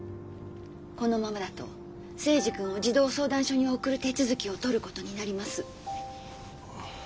このままだと征二君を児童相談所に送る手続きをとることになります。